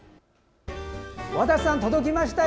渡瀬さん、届きましたよ。